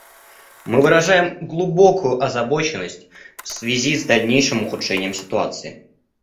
Мы выражаем глубокую озабоченность в связи с дальнейшим ухудшением ситуации.